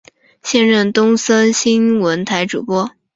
现任东森新闻台主播。